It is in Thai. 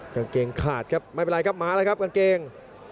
กางเกงขาดครับไม่เป็นไรครับหมาเลยครับกางเกง